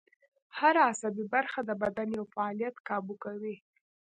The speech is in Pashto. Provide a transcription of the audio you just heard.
هر عصبي برخه د بدن یو فعالیت کابو کوي